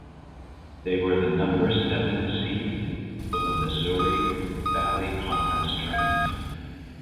They were the number seven seed for the Missouri Valley Conference Tournament.